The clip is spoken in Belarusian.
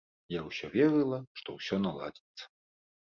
Я ўсё верыла, што ўсё наладзіцца.